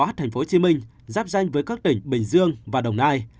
phát tp hcm giáp danh với các tỉnh bình dương và đồng nai